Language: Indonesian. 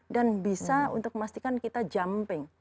dan bisa untuk memastikan kita jumping